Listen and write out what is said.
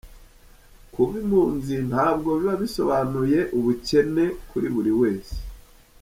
Kuba impunzi ntabwo biba bisobanuye ubukene kuri buri wese !